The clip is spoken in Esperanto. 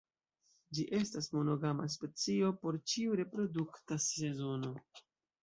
Ĝi estas monogama specio por ĉiu reprodukta sezono.